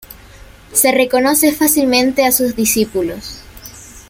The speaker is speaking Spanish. Se reconoce fácilmente a sus discípulos.